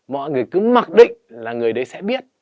mọi người cứ mặc định là người đấy sẽ biết